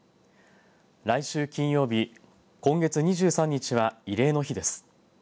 来週、金曜日今月２３日は、慰霊の日です。